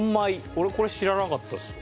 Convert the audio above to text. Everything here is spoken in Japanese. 俺これ知らなかったです。